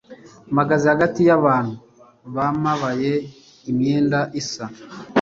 Mpagaze hagati yabantu bamabaye imyenda isa